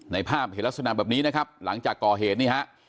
ภาพเห็นลักษณะแบบนี้นะครับหลังจากก่อเหตุนี่ฮะ